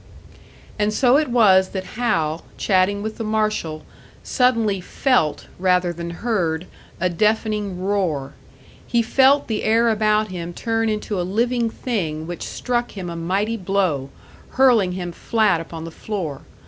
And so it was that Hal, chatting with the marshal, suddenly felt, rather than heard, a deafening roar; he felt the air about him turn into a living thing which struck him a mighty blow, hurling him flat upon the floor.